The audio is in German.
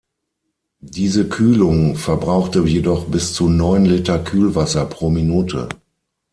Diese Kühlung verbrauchte jedoch bis zu neun Liter Kühlwasser pro Minute.